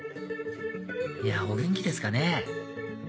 いやお元気ですかね？